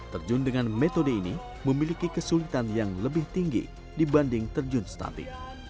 terjun dengan metode ini memiliki kesulitan yang lebih tinggi dibanding terjun statik